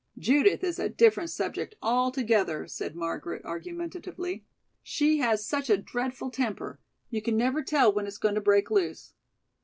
"Judith is a different subject altogether," said Margaret, argumentatively. "She has such a dreadful temper. You never can tell when it's going to break loose."